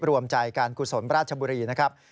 รวมใจการกุศลราชบุรีนะครับ